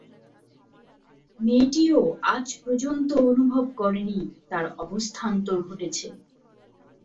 মেয়েটিও আজ পর্যন্ত অনুভব করে নি তার অবস্থান্তর ঘটেছে।